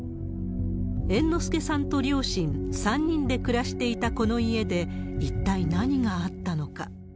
猿之助さんと両親、３人で暮らしていたこの家で、一体何があったのか。